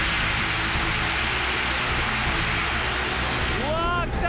うわ。来た。